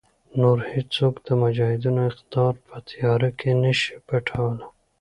نور هېڅوک د مجاهدینو اقتدار په تیاره کې نشي پټولای.